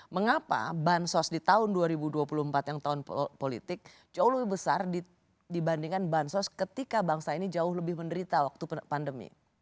mengapa bansos di tahun dua ribu dua puluh empat yang tahun politik jauh lebih besar dibandingkan bansos ketika bangsa ini jauh lebih menderita waktu pandemi